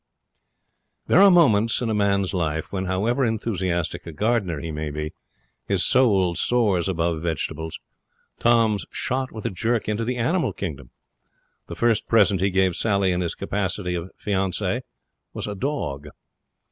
There are moments in a man's life when, however enthusiastic a gardener he may be, his soul soars above vegetables. Tom's shot with a jerk into the animal kingdom. The first present he gave Sally in his capacity of fiance was a dog.